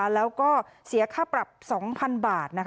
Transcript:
แล้วก็เสียค่าปรับ๒๐๐๐บาท